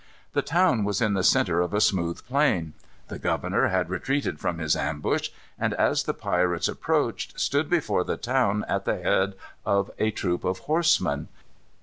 The town was in the centre of a smooth plain. The governor had retreated from his ambush, and, as the pirates approached, stood before the town at the head of a troop of horsemen.